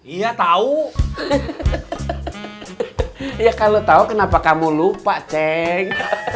iya tahu ya kalau tahu kenapa kamu lupa ceng